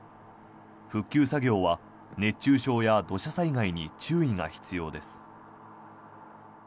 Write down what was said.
復旧作業は熱中症や土砂災害に注意が必要です。